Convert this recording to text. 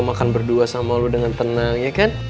makan berdua sama lu dengan tenang ya kan